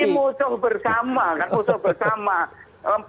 ini musuh bersama kan musuh bersama